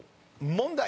問題。